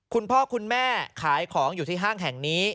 คุณพ่อคุณแม่ขายของอยู่ที่ห้างแห่งนี้